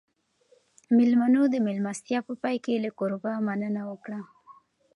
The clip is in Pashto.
مېلمنو د مېلمستیا په پای کې له کوربه مننه وکړه.